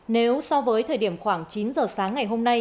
nếu so với thời điểm khoảng chín giờ sáng ngày hôm nay